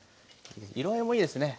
色合いもいいですね。